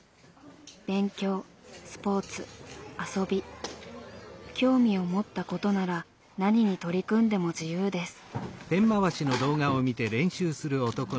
勉強・スポーツ・遊び興味を持ったことなら何に取り組んでも自由です。